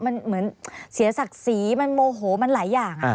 มันเหมือนเสียศักดิ์ศรีมันโมโหมันหลายอย่าง